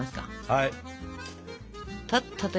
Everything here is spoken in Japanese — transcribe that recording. はい。